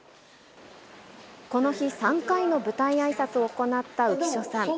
この日、３回の舞台あいさつを行った浮所さん。